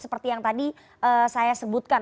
seperti yang tadi saya sebutkan